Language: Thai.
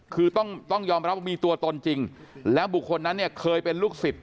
คือต้องต้องยอมรับมีตัวตนจริงและบุคคลนะเนี้ยเคยเป็นลูกศิษย์